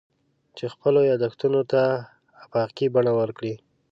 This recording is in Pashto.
چې خپلو یادښتونو ته افاقي بڼه ورکړي.